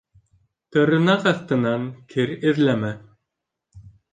Тырнаҡ аҫтынан кер эҙләмә.